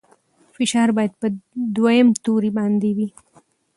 فشار باید په دویم توري باندې وي.